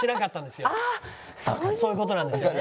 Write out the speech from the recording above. そういう事なんですよね。